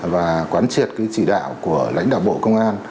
và quán triệt cái chỉ đạo của lãnh đạo bộ công an